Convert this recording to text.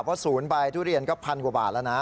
เพราะ๐ใบทุเรียนก็พันกว่าบาทแล้วนะ